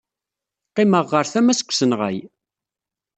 Qqimeɣ ɣer tama-s deg usenɣay.